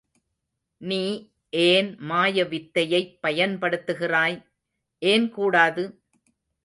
நீ ஏன் மாய வித்தையைப் பயன்படுத்துகிறாய்? ஏன் கூடாது?